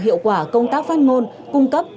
hiệu quả công tác phát ngôn cung cấp